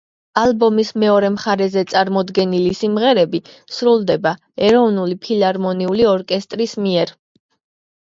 ალბომის მეორე მხარეზე წარმოდგენილი სიმღერები სრულდება ეროვნული ფილარმონიული ორკესტრის მიერ.